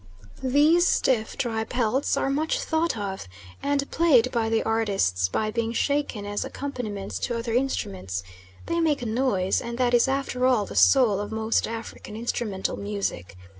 These stiff, dry pelts are much thought of, and played by the artistes by being shaken as accompaniments to other instruments they make a noise, and that is after all the soul of most African instrumental music.